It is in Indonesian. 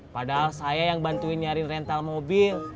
padahal saya yang bantuin nyari rental mobil